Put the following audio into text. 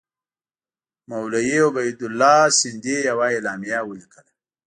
مولوي عبیدالله سندي یوه اعلامیه ولیکله.